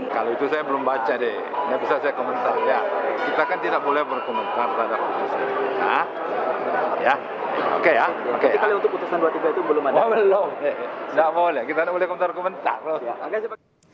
ketua ma menyatakan tidak boleh berkomentar tentang putusan ma no dua puluh tiga tahun dua ribu dua puluh empat menetapkan syarat batas usia peserta pilkada